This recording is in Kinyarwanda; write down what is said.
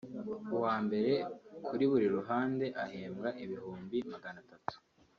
uwa mbere kuri buri ruhande ahembwa ibihumbi magana atatu